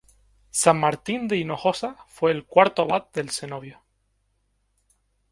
San Martín de Hinojosa fue el cuarto abad del cenobio.